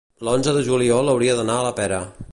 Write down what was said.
l'onze de juliol hauria d'anar a la Pera.